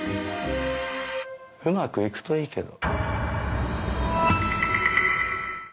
うまくいくといいけど。